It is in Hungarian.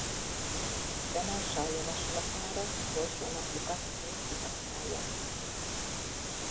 De Marshall javaslatára utolsó napjukat még kihasználják.